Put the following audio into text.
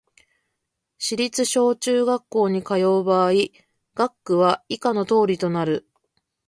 市立小・中学校に通う場合、学区は以下の通りとなる